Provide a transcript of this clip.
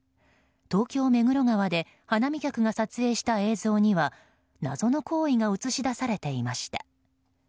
東京・目黒川で花見客が撮影した映像には謎の行為が映し出されていました。